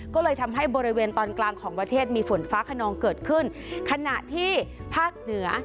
ก็เลยทำให้บริเวณตอนกลางของประเทศมีฝนฟ้าขนองเกิดขึ้นขณะที่ภาคเหนือ